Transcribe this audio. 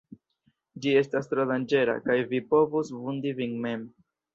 Ĝi estas tro danĝera, kaj vi povus vundi vin mem.